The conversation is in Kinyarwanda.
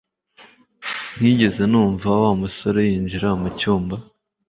ntigeze numva Wa musore yinjira mucyumba